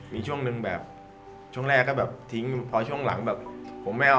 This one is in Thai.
มีช่วงหนึ่งแบบช่วงแรกก็แบบทิ้งพอช่วงหลังแบบผมไม่เอา